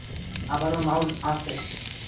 আবার মাও আছে?